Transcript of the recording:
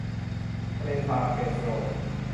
ทะเลซาร์แกสโซ